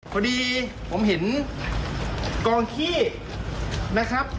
พอดีผมเห็นกองขี้นะครับ